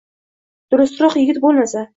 durustroq yigit bo`lmasa